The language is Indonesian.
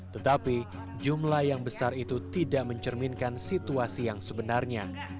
tetapi jumlah yang besar itu tidak mencerminkan situasi yang sebenarnya